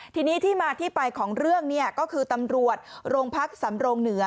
ทีนี้ที่มาที่ไปของเรื่องเนี่ยก็คือตำรวจโรงพักสำรงเหนือ